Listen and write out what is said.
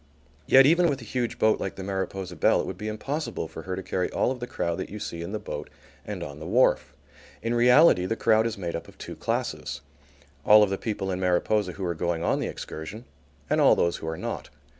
Yet even with a huge boat like the Mariposa Belle, it would be impossible for her to carry all of the crowd that you see in the boat and on the wharf. In reality, the crowd is made up of two classes, all of the people in Mariposa who are going on the excursion and all those who are not.